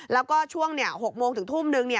แล้วก็ช่วง๖โมงถึงทุ่มนึง